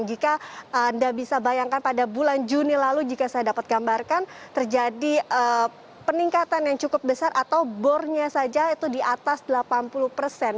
jika anda bisa bayangkan pada bulan juni lalu jika saya dapat gambarkan terjadi peningkatan yang cukup besar atau bornya saja itu di atas delapan puluh persen